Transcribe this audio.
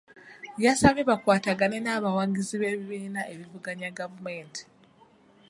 Yabasabye bakwatagane n'abawagizi b'ebibiina ebivuganya gavumenti.